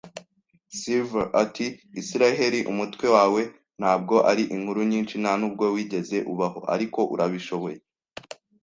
Silver ati: "Isiraheli, umutwe wawe ntabwo ari inkuru nyinshi, nta nubwo wigeze ubaho. Ariko urabishoboye